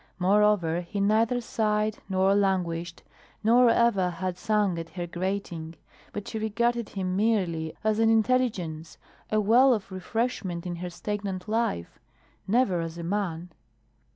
Moreover, he neither sighed nor languished, nor ever had sung at her grating. But she regarded him merely as an intelligence, a well of refreshment in her stagnant life, never as a man.